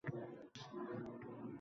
Ming chiranma, zolim zamon senga boqmas.